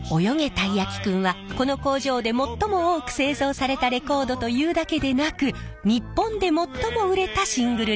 たいやきくん」はこの工場で最も多く製造されたレコードというだけでなく日本で最も売れたシングルレコードなんです。